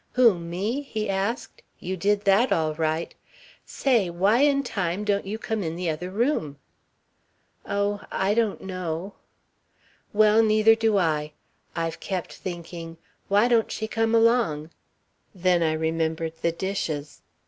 "Who, me?" he asked. "You did that all right. Say, why in time don't you come in the other room?" "Oh, I don't know." "Well, neither do I. I've kept thinking, 'Why don't she come along.' Then I remembered the dishes."